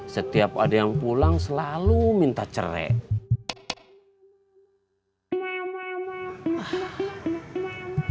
setiap ada yang pulang selalu minta cerai